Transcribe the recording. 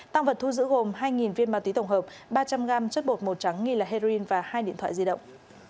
tăng vật thu giữ gồm hai viên ma túy tổng hợp ba trăm linh g chất bột màu trắng và hai điện thoại di động